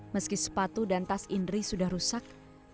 meski sepatu dan tas indri sudah rusak